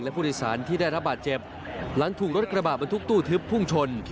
และผู้โดยสารที่ได้รับบาดเจ็บหลังถูกรถกระบาดบรรทุกตู้ทึบพุ่งชน